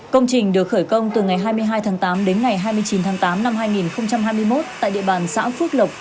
công trình được khởi công từ ngày hai mươi hai tháng tám đến ngày hai mươi chín tháng tám năm hai nghìn hai mươi một tại địa bàn xã phước lộc